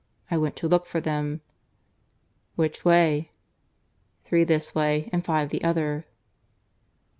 I went to look for them." "Which way?" "Three this way and five the other."